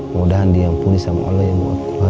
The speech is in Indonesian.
mudah mudahan dia pun sama allah yang mu adulah